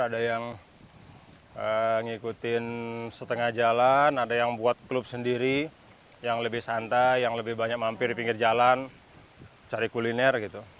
ada yang ngikutin setengah jalan ada yang buat klub sendiri yang lebih santai yang lebih banyak mampir di pinggir jalan cari kuliner gitu